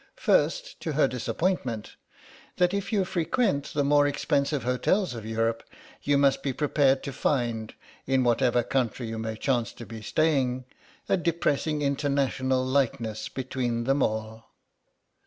First, to her disappointment, that if you frequent the more expensive hotels of Europe you must be prepared to find, in whatever country you may chance to be staying, a depressing international likeness between them all.